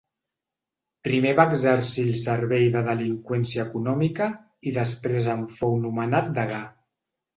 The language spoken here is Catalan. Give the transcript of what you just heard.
Primer va exercir al servei de delinqüència econòmica i després en fou nomenat degà.